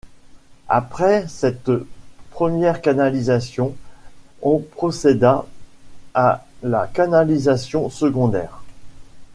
Après cette première canalisation, on procéda à la canalisation secondaire.